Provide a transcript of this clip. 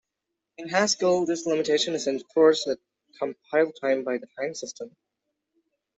In Haskell, this limitation is enforced at compile time by the type system.